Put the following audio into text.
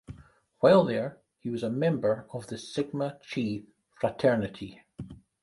While there, he was a member of the Sigma Chi Fraternity.